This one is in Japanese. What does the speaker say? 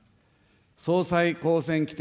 総裁公選規程